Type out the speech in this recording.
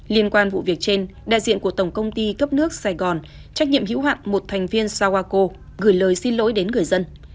liên quan vụ việc trên đại diện của tổng công ty cấp nước sài gòn trách nhiệm hữu hạn một thành viên sawako gửi lời xin lỗi đến người dân